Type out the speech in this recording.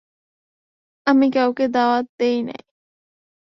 আমি কাউকে দাওয়াত দেই নাই।